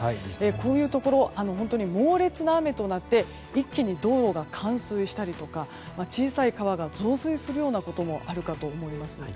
こういうところ、本当に猛烈な雨となって一気に道路が冠水したり小さい川が増水するところもあるかもしれません。